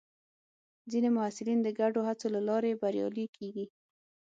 ځینې محصلین د ګډو هڅو له لارې بریالي کېږي.